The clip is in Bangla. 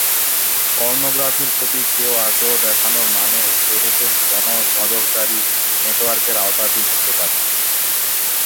পর্নোগ্রাফির প্রতি কেও আগ্রহ দেখানোর মানে সে দেশের গণ নজরদারি নেটওয়ার্কের আওতাধীন হতে পারে।